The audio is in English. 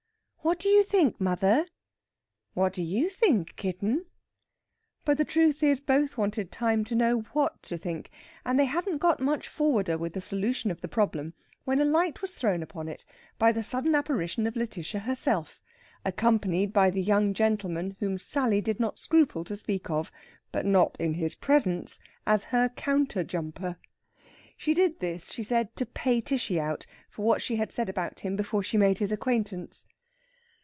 "What do you think, mother?" "What do you think, kitten?" But the truth is, both wanted time to know what to think. And they hadn't got much forwarder with the solution of the problem when a light was thrown upon it by the sudden apparition of Lætitia herself, accompanied by the young gentleman whom Sally did not scruple to speak of but not in his presence as her counter jumper. She did this, she said, to "pay Tishy out" for what she had said about him before she made his acquaintance.